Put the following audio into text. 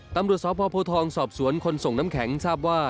ตำรวจสพโพทองสอบสวนคนส่งน้ำแข็งทราบว่า